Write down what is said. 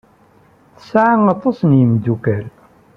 Tesɛa aṭas n yimeddukal.